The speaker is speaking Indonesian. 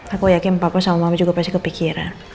aku yakin papa sama mama juga pasti kepikiran